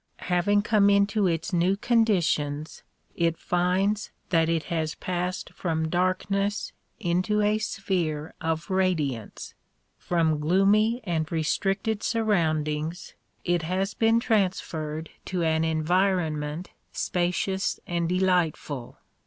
Ha"vang come into its new conditions it finds that it has pas55ed from darkness into a sphere of radiance ; from gloomy and restncted surroundings it has been transferred to an envii'on DISCOURSES DELIVEHHD IN WASIUNOTON 45 nient spacious and deliglitful.